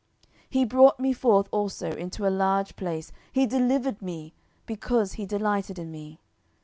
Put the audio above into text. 10:022:020 He brought me forth also into a large place: he delivered me, because he delighted in me.